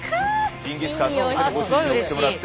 ジンギスカンのお店のご主人に送ってもらって。